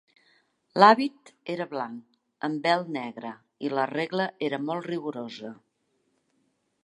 L'hàbit era blanc, amb vel negre, i la regla era molt rigorosa.